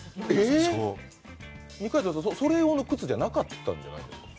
それ用の靴じゃなかったんじゃないですか？